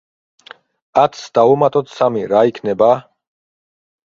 ათს დავუმატოთ სამი რა იქნება?